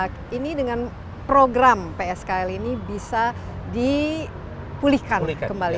dan itu sudah rusak ini dengan program pskl ini bisa dipulihkan kembali